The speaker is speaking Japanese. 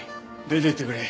出ていってくれ。